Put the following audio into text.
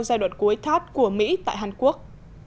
giai đoạn cuối thát của mỹ tại hàn quốc